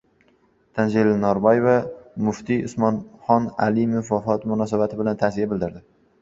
Tanzila Norboyeva muftiy Usmonxon Alimov vafoti munosabati bilan ta’ziya bildirdi